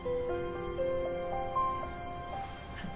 あっ。